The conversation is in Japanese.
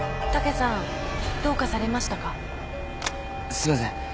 すいません